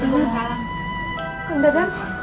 kok beda dem